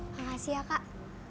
makasih ya kak